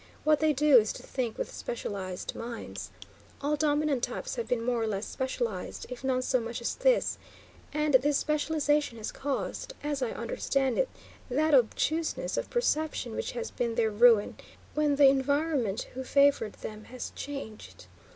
What they do is to think with specialized minds. All dominant types have been more or less specialized, if none so much as this, and this specialization has caused, as I understand it, that obtuseness of perception which has been their ruin when the environment which favored them has changed.